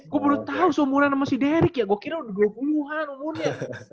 gue baru tau seumuran sama si dery gue kira udah dua puluh an umurnya